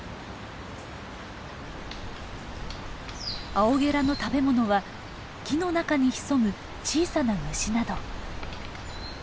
アオゲラの食べ物は木の中に潜む小さな虫など。